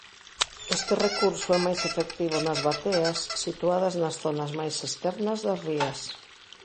Este recurso é máis efectivo nas bateas situadas nas zonas máis externas das rías.